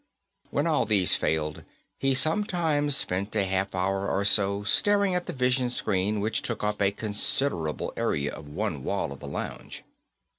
When all these failed, he sometimes spent a half hour or so staring at the vision screen which took up a considerable area of one wall of the lounge.